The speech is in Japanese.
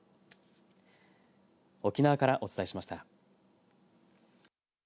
沖縄から、お伝えしました。